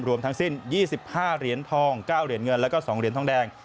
รวมทั้งสิ้น๒๕เหรียญทอง๙เหรียญเงินแล้วก็๒เหรียญทองแดง